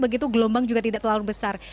begitu gelombang juga tidak terlalu besar